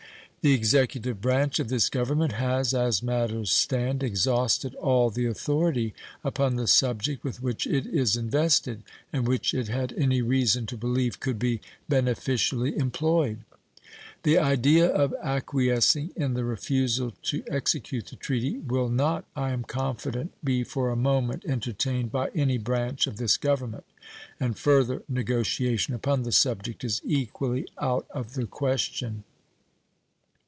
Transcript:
The executive branch of this Government has, as matters stand, exhausted all the authority upon the subject with which it is invested and which it had any reason to believe could be beneficially employed. The idea of acquiescing in the refusal to execute the treaty will not, I am confident, be for a moment entertained by any branch of this Government, and further negotiation upon the subject is equally out of the question.